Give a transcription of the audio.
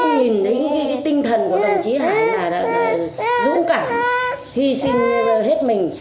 cũng nhìn thấy tinh thần của đồng chí hải là dũng cảm hy sinh hết mình